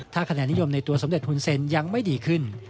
ถ้าคะแนนนิยมในตัวสมเด็จหุ่นเซ็นยังไม่ดีขึ้น